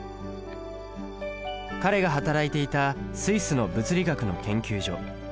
彼が働いていたスイスの物理学の研究所。